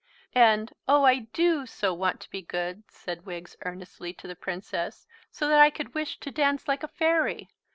"And, oh, I do so want to be good," said Wiggs earnestly to the Princess, "so that I could wish to dance like a fairy."